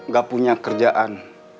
gak punya kerjaan